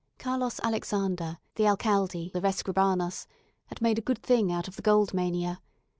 Carlos Alexander, the alcalde of Escribanos, had made a good thing out of the gold mania.